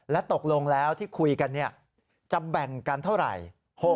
และตกลงแล้วที่คุยกันจะแบ่งกันเท่าไหร่